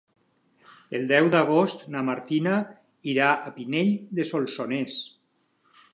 El deu d'agost na Martina irà a Pinell de Solsonès.